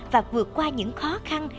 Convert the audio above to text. và vượt qua những khó khăn